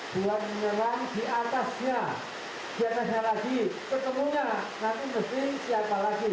kalau menyerang diatasnya diatasnya lagi ketemunya nanti mesti siapa lagi